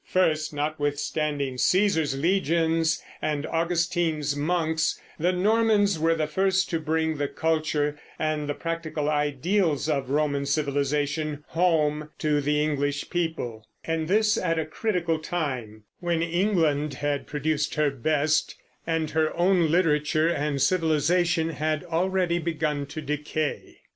First, notwithstanding Cæsar's legions and Augustine's monks, the Normans were the first to bring the culture and the practical ideals of Roman civilization home to the English people; and this at a critical time, when England had produced her best, and her own literature and civilization had already begun to decay.